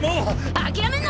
諦めんな！